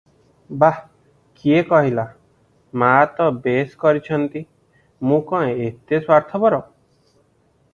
"ବାଃ କିଏ କହିଲା- ମାଆତ ବେଶ୍ କରିଚନ୍ତି- ମୁଁ କଣ ଏତେ ସ୍ୱାର୍ଥପର ।